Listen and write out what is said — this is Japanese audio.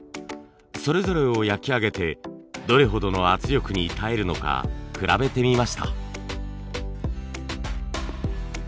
それぞれを焼き上げてどれほどの圧力に耐えるのか比べてみました。